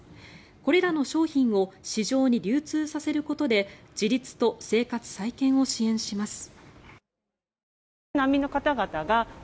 これらの商品を市場に流通させることで自立と生活再建を支援します。